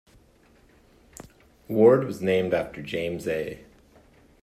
Ward was named after James A.